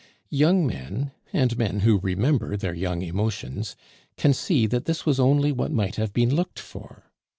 Young men and men who remember their young emotions can see that this was only what might have been looked for.